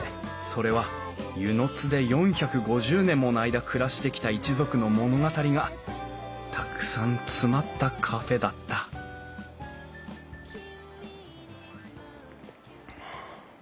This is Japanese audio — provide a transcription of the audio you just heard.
それは温泉津で４５０年もの間暮らしてきた一族の物語がたくさん詰まったカフェだった」はあ。